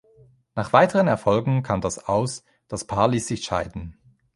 Nach weiteren Erfolgen kam das Aus, das Paar ließ sich scheiden.